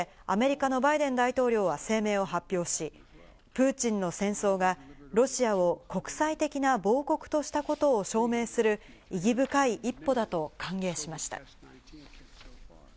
アメリカのバイデン大統領は声明を発表し、プーチンの戦争がロシアを国際的な亡国としたことを証明する意義深い一歩だと歓迎しました。